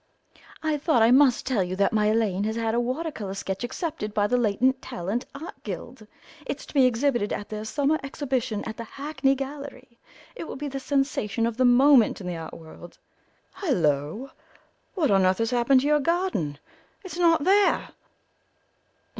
"I thought I must tell you that my Elaine has had a water colour sketch accepted by the Latent Talent Art Guild; it's to be exhibited at their summer exhibition at the Hackney Gallery. It will be the sensation of the moment in the art world—Hullo, what on earth has happened to your garden? It's not there!"